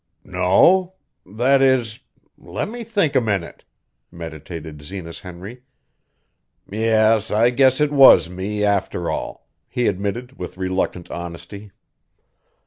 "No. That is let me think a minute," meditated Zenas Henry. "Yes, I guess it was me, after all," he admitted with reluctant honesty.